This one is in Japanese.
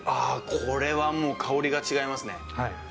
これはもう香りが違いますね